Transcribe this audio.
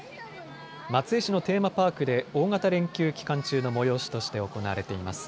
松江市のテーマパークで大型連休期間中の催しとして行われています。